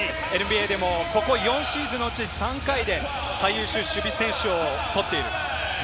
ＮＢＡでもここ４シーズンのうち３回で最優秀守備選手賞を取っている。